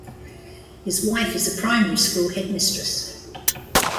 His wife is a primary school headmistress.